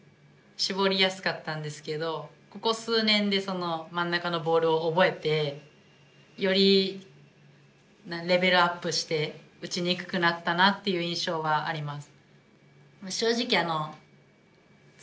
絞りやすかったんですけどここ数年でその真ん中のボールを覚えてよりレベルアップして打ちにくくなったなっていう印象はあります。